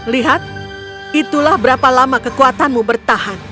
lihat itulah berapa lama kekuatanmu bertahan